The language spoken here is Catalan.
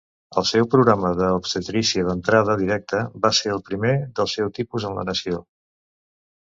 El seu programa de Obstetrícia d'entrada directa va ser el primer del seu tipus en la nació.